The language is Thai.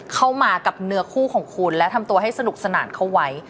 เข้ามากับเนื้อคู่ของคุณและทำตัวให้สนุกสนานเข้าไว้